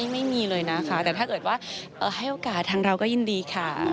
ไม่มีเลยนะคะแต่ถ้าเกิดว่าให้โอกาสทางเราก็ยินดีค่ะ